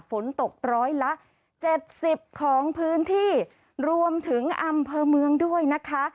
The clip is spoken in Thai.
ฝนตกร้อยละเจ็ดสิบของพื้นที่รวมถึงอำเภอเมืองด้วยนะคะ